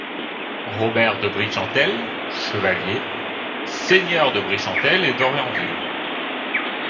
Robert de Brichantel, chevalier, seigneur de Brichantel et d'Orienville.